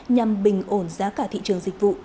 nhằm bình ổn giá cả thị trường dịch vụ